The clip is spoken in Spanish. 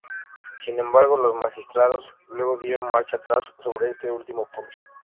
Sin embargo, los magistrados luego dieron marcha atrás sobre este último punto.